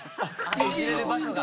いじれる場所が。